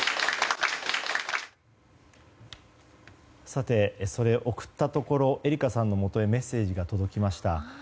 さて、送ったところえりかさんのもとへメッセージが届きました。